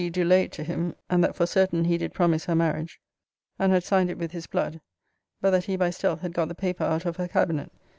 ] and that she, do lay it to him, and that for certain he did promise her marriage, and had signed it with his blood, but that he by stealth had got the paper out of her cabinet.